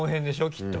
きっと。